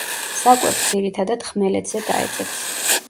საკვებს ძირითადად ხმელეთზე დაეძებს.